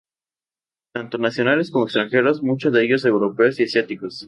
Tanto nacionales como extranjeros, muchos de ellos europeos y asiáticos.